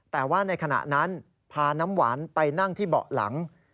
แต่ว่าในขณะนั้นพาน้ำหวานไปนั่งที่เบาะหลัง